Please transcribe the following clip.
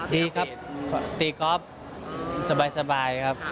ดีครับตีกอล์ฟสบายครับ